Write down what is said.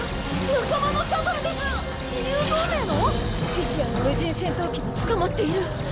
ピシアの無人戦闘機に捕まっている。